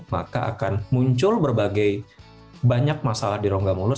maka akan muncul berbagai banyak masalah di rongga mulus